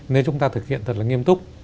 nếu chúng ta thực hiện thật là nghiêm túc